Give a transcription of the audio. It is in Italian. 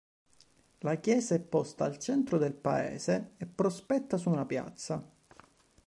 La chiesa è posta al centro del paese e prospetta su una piazza.